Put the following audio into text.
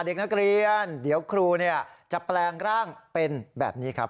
เด็กนักเรียนเดี๋ยวครูจะแปลงร่างเป็นแบบนี้ครับ